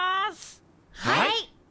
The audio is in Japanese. はい！